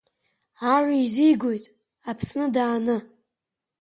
Ар еизигоит, Аҵсны дааны.